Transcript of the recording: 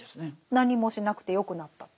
何もしなくてよくなった。